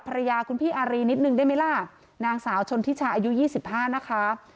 ภรรยาคุณพี่อารีนิดนึงได้ไหมล่ะนางสาวชนทิชาอายุ๒๕นะคะ